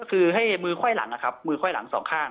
ก็คือให้มือค่อยหลังนะครับมือค่อยหลังสองข้าง